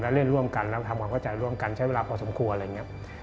และเล่นร่วมกันแล้วทำความเข้าใจร่วมกันใช้เวลาพอสมควรอะไรอย่างนี้